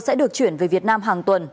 sẽ được chuyển về việt nam hàng tuần